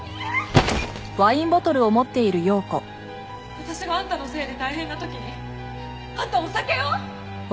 私があんたのせいで大変な時にあんたお酒を！？